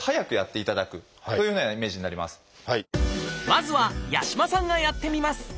まずは八嶋さんがやってみます。